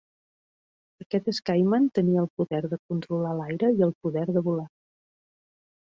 Aquest Skyman tenia el poder de controlar l'aire i el poder de volar.